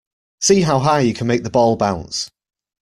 See how high you can make the ball bounce